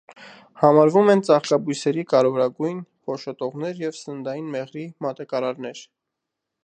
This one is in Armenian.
Համարվում են ծաղկաբույսերի կարևորագույն փոշոտողներ և սննդային մեղրի մատակարարներ։